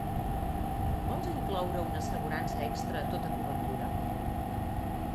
Vols incloure una assegurança extra a tota cobertura?